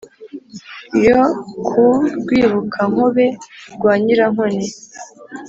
yo ku rwibukankobe rwa nyirankoni,